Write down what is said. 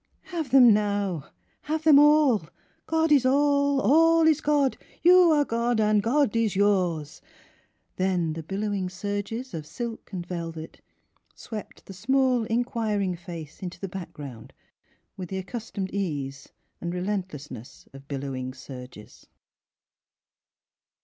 "Have them now. Have them all. God is all. All is God. You are God's. God is yours!" Then the billowing surges of silk and velvet swept the small, inquiring face into the background with the accus 25 The Transfigttratioii of tomed ease and relentlessness of billowing surges.